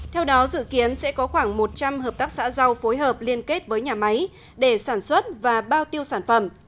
theo đó dự kiến sẽ có khoảng một trăm linh hợp tác xã rau phối hợp liên kết với nhà máy để sản xuất và bao tiêu sản phẩm